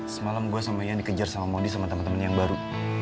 semalam gue sama ian dikejar sama modi sama temen temennya yang baru